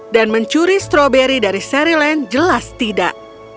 dan mencuri stroberi dari sherry lane jelas tidak